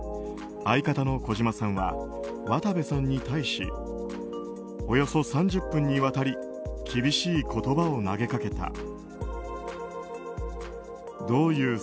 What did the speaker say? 相方の児嶋さんは渡部さんに対しおよそ３０分にわたり厳しい言葉を投げかけた。